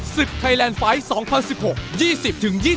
สิบไทยแลนด์ไฟล์ท๒๐๑๖